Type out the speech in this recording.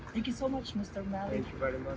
terima kasih banyak tuan mali untuk penjelasannya